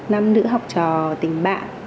nam nữ học trò tình bạn